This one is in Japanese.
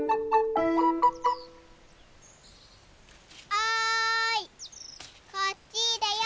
おいこっちだよ！